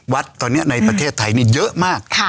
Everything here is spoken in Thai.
วัดตอนนี้ในประเทศไทยนี่เยอะมาก